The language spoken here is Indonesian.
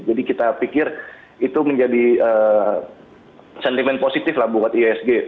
jadi kita pikir itu menjadi sentimen positif lah buat ihsg